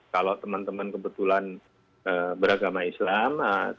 kalau teman teman kebetulan beragama islam